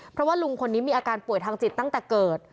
เพราะว่าลุงคนนี้มีอาการป่วยทางจิตตั้งแต่เกิด